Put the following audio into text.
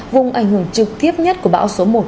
vùng ảnh hưởng trực tiếp nhất của bão số một